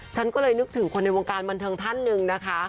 ฉันก็เลยนึกถึงคนในวงการบันเทิงท่านหนึ่งนะคะ